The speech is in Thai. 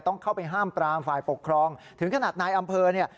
ต้องเข้าไปห้ามปรามฝ่ายปกครองถึงขนาดนายอำเภอเนี่ย